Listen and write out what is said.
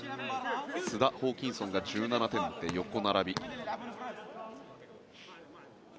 須田、ホーキンソンが１７点で横並び。